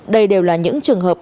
đây đều là những trường hợp